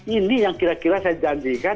ini yang kira kira saya janjikan